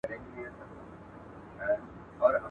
که هوا وي نو ساه نه بندیږي.